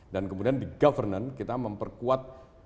dan kemudian di governance kita memperkuat